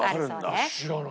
知らない。